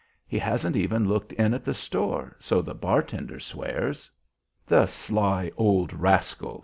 He hasn't even looked in at the store, so the bar tender swears." "The sly old rascal!"